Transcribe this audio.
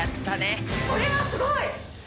これはすごい！